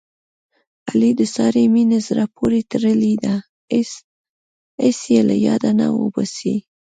علي د سارې مینه زړه پورې تړلې ده. هېڅ یې له یاده نه اوباسي.